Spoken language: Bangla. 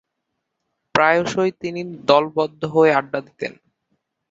প্রায়শঃই তিনি দলবদ্ধ হয়ে আড্ডা দিতেন।